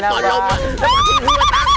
bang kamu takut